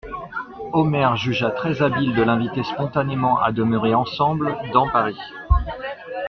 Omer jugea très habile de l'inviter spontanément à demeurer ensemble, dans Paris.